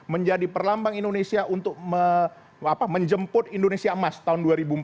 menjadi perlambang indonesia untuk menjemput indonesia emas tahun dua ribu empat puluh